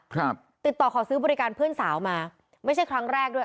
ติดต่อขอซื้อบริการเพื่อนสาวมาไม่ใช่ครั้งแรกด้วย